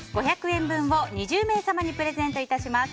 ５００円分を２０名様にプレゼントいたします。